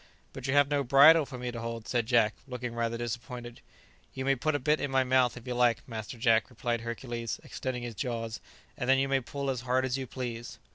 "But you have no bridle for me to hold," said Jack, looking rather disappointed. "You may put a bit in my mouth if you like, master Jack," replied Hercules, extending his jaws, "and then you may pull as hard as you please."